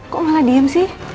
kok malah diem sih